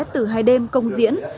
từ hai đêm công diễn